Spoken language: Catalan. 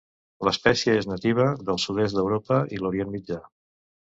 L'espècie és nativa del sud-est d'Europa i l'Orient Mitjà.